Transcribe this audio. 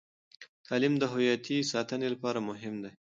تعلیم د هویتي ساتنې لپاره مهم دی.